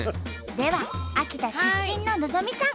では秋田出身の希さん。